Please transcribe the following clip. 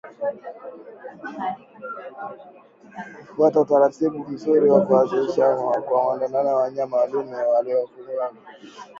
Kufuata utaratibu mzuri wa uzalishaji kwa kuwaondoa wanyama wa dume walioambukizwa